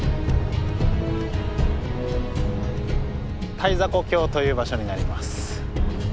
滞迫峡という場所になります。